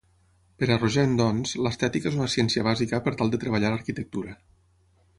Per a Rogent doncs, l'estètica és una ciència bàsica per tal de treballar l'arquitectura.